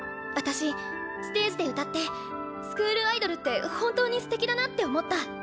私ステージで歌ってスクールアイドルって本当にステキだなって思った。